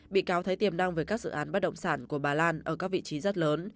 bị cáo thấy tiềm năng về các dự án bất động sản của bà lan ở các vị trí rất lớn